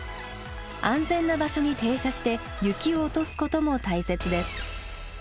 安全な場所に停車して雪を落とすことも大切です。